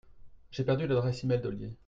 j'ai perdu l'adresse mail d'Olier.